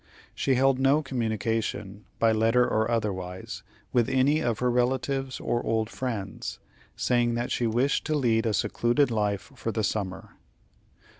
She held no communication, by letter or otherwise, with any of her relatives or old friends, saying that she wished to lead a secluded life for the summer.